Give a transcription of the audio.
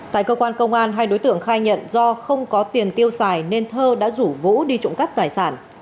tại cơ quan công an hai đối tượng khai nhận do không có tiền tiêu xài nên thơ đã rủ vũ đi trộm cắp tài sản